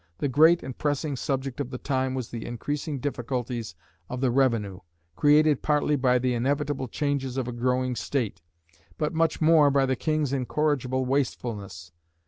The great and pressing subject of the time was the increasing difficulties of the revenue, created partly by the inevitable changes of a growing state, but much more by the King's incorrigible wastefulness.